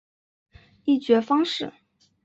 议决方式